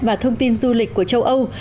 và thông tin du lịch của châu âu